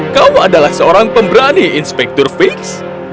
kau adalah seorang pemberani inspektur fix